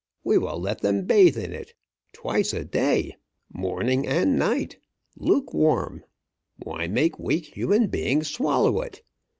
We will let them bathe in it. Twice a day! Morning and night! Lukewarm! Why make weak human beings swallow it?